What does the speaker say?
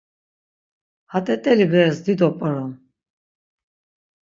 Ha t̆et̆eli beres dido p̌orom.